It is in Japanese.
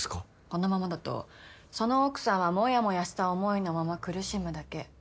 このままだとその奥さんはモヤモヤした思いのまま苦しむだけ。